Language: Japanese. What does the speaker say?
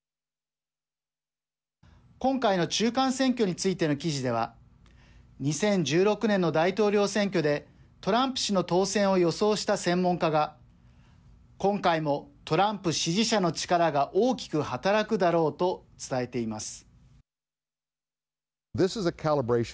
今回の中間選挙についての記事では２０１６年の大統領選挙でトランプ氏の当選を予想した専門家が今回も、トランプ支持者の力が大きく働くだろうと伝えています。